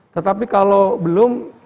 tetapi kalau belum